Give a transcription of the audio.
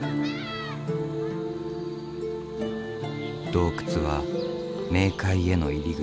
洞窟は冥界への入り口。